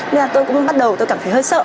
nên là tôi cũng bắt đầu tôi cảm thấy hơi sợ